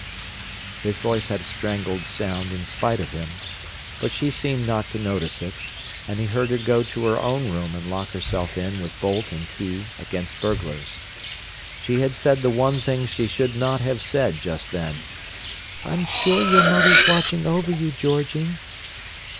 His voice had a strangled sound in spite of him; but she seemed not to notice it, and he heard her go to her own room and lock herself in with bolt and key against burglars. She had said the one thing she should not have said just then: "I'm sure your mother's watching over you, Georgie."